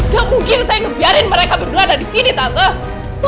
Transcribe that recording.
gak mungkin saya ngebiarin mereka berdua ada di sini tato